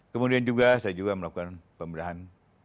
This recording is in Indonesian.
kemudian juga saya juga melakukan pembelahan